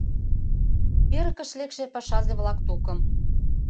Эрыкыш лекше пашазе-влак тукым.